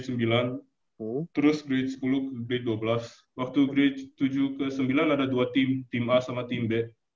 terus grade sepuluh ke grade dua belas waktu grade tujuh ke sembilan ada dua team team a sama team b